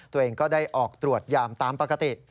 ตัวเองก็ได้ออกตรวจยามตามปกติ